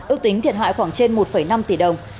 ước tính thiệt hại khoảng trên một năm tỷ đồng